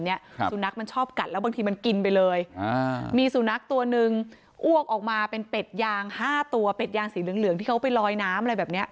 สุนัขมันชอบกัดแล้วบางทีมันกินไปเลยอ่ามีสุนัขตัวหนึ่งอ้วกออกมาเป็นเป็ดยางห้าตัวเป็ดยางสีเหลืองเหลืองที่เขาไปลอยน้ำอะไรแบบเนี้ย